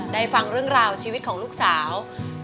ได้ฟังเรื่องราวชีวิตของลูกสาว